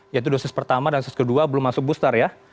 yaitu dosis pertama dan dosis kedua belum masuk booster ya